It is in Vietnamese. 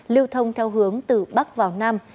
lưu thông theo hướng từ bắc vào nam